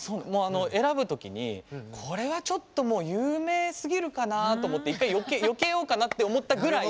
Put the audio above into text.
選ぶ時にこれはちょっともう有名すぎるかな？と思って一回よけようかなって思ったぐらい